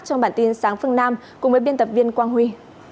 trong bản tin sáng phương nam cùng với biên tập viên quang huy